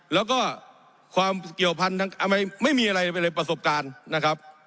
แล้วก็ความเกี่ยวพันธุ์ไม่มีอะไรไปเลยประสบการณ์นะครับ